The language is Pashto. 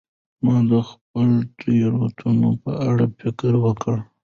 ما د خپلو تیروتنو په اړه فکر وکړ.